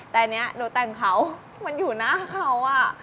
แต่อันนี้หนูแต่งเขามันอยู่หน้าเขา